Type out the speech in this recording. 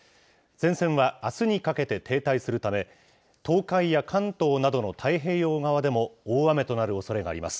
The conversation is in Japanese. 前線はあすにかけて停滞するため、東海や関東などの太平洋側でも大雨となるおそれがあります。